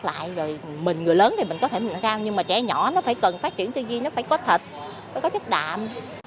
tại vì mình người lớn thì mình có thể mượn rao nhưng mà trẻ nhỏ nó phải cần phát triển thư gii nó phải có thịt nó phải có chất đạm